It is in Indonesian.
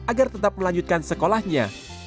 agar tetap melanjutkan sekolahnya